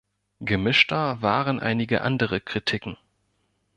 Gemischter waren einige andere Kritiken.